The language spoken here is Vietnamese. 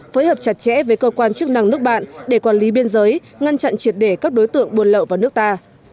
phối hợp chặt chẽ với cơ quan chức năng nước bạn để quản lý biên giới ngăn chặn triệt để các đối tượng buôn lậu vào nước ta